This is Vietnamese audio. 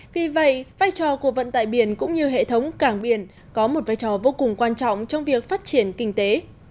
vì vậy vai trò của vận tải biển cũng như hệ thống cảng biển có một vai trò vô cùng quan trọng trong việc phát triển kinh tế